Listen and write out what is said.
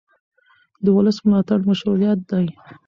د ولس ملاتړ مشروعیت دی